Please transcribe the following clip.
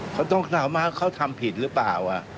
เขาต้องถามว่าเขาทำผิดหรือเปล่า